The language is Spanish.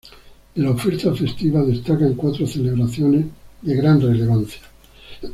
De la oferta festiva destacan cuatro celebraciones de gran relevancia.